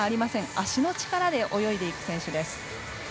足の力で泳いでいく選手です。